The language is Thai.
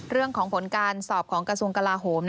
เรื่องของผลการสอบของกระทรวงกลาโหม